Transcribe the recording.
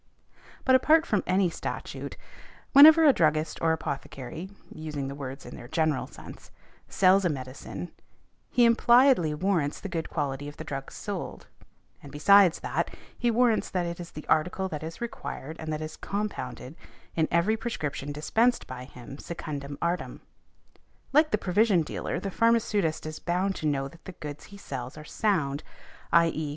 But apart from any statute, whenever a druggist or apothecary (using the words in their general sense) sells a medicine, he impliedly warrants the good quality of the drugs sold; and besides that, he warrants that it is the article that is required and that it is compounded in every prescription dispensed by him secundum artem. Like the provision dealer, the pharmaceutist is bound to know that the goods he sells are sound, _i.e.